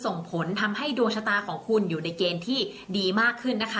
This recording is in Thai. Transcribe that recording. ส่งผลทำให้ดวงชะตาของชาวราศีมีนดีแบบสุดเลยนะคะ